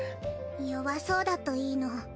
弱そうだといいの。